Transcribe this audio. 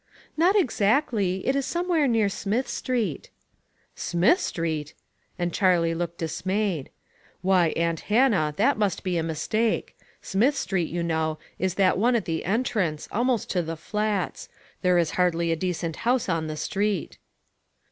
" Not exactly. It was somewhere near Smith Street." "Smith Street!" and Charlie looked dis mayed. "Why, aunt Hannah, that must be a mistake. Smith Street, you know, is that 2/2 ONE COMMONPLACE DAY. one at the entrance, almost to the Flats. There is hardly a decent house on the street."